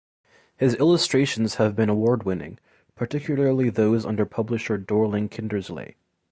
His illustrations have been award winning, particularly those under publisher Dorling Kindersley.